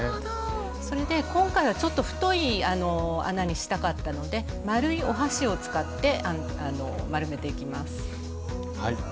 それで今回はちょっと太い穴にしたかったので丸いお箸を使って丸めていきます。